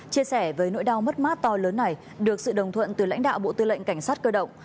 chia sẻ với nỗi đau mất mát to lớn này được sự đồng thuận từ lãnh đạo bộ tư lệnh cảnh sát cơ động